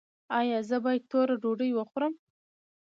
ایا زه باید توره ډوډۍ وخورم؟